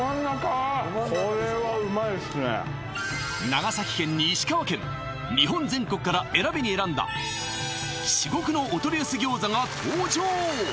長崎県に石川県日本全国から選びに選んだ至極のお取り寄せ餃子が登場！